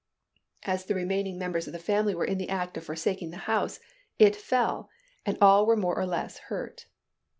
As the remaining members of the family were in the act of forsaking the house, it fell, and all were more or less hurt.